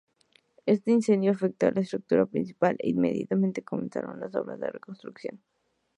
Este incendio afectó a la estructura principal, e inmediatamente comenzaron las obras de reconstrucción.